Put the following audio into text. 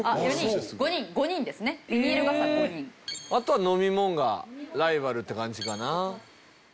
あとは飲み物がライバルって感じかな。